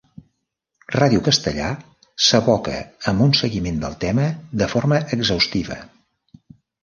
Ràdio Castellar s'aboca amb un seguiment del tema de forma exhaustiva.